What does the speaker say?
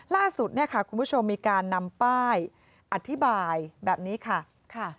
ล่าสุดคุณผู้ชมมีการนำป้ายอธิบายแบบนี้ค่ะ